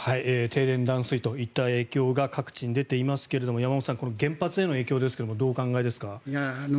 停電、断水といった影響が各地で出ていますけれど山本さん原発への影響ですがどうお考えですか？